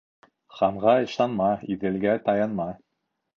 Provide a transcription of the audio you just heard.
Ханға ышанма, Иҙелгә таянма.